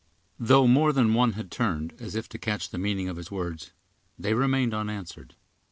Though more than one had turned, as if to catch the meaning of his words, they remained unanswered.